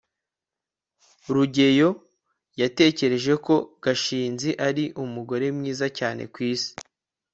rugeyo yatekereje ko gashinzi ari umugore mwiza cyane kwisi